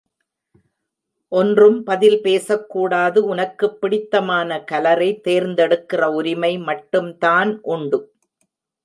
ஒன்றும் பதில் பேசக்கூடாது உனக்குப் பிடித்தமான கலரை தேர்ந்தெடுக்கிற உரிமை மட்டும்தான் உண்டு.